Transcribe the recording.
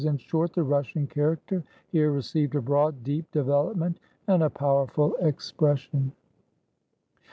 In short, the Russian character here received a broad, deep de velopment, and a powerful expression.